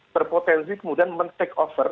berpotensi kemudian men takeover